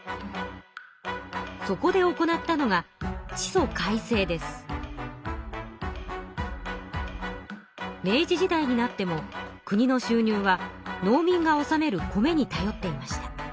そこで行ったのが明治時代になっても国の収入は農民がおさめる米にたよっていました。